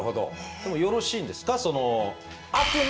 でもよろしいんですか？